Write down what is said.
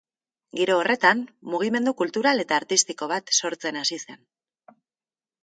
Giro horretan, mugimendu kultural eta artistiko bat sortzen hasi zen.